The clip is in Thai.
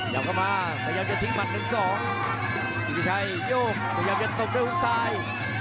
ยาวกระมากขยับจะทิ้งมัน๑๒เยี่ยมอย่าตกด้วยฮุกซ้าย